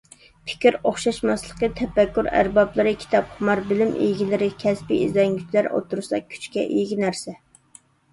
پىكىر ئوخشاشماسلىقى تەپەككۇر ئەربابلىرى، كىتاپخۇمار بىلىم ئىگىلىرى، كەسپىي ئىزدەنگۈچىلەر ئوتتۇرسىدا كۈچكە ئىگە نەرسە.